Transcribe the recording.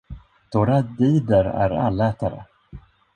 Doradider är allätare.